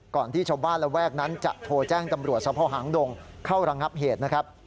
ที่ชาวบ้านระแวกนั้นจะโทรแจ้งตำรวจสภหางดงเข้าระงับเหตุนะครับ